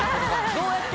どうやって？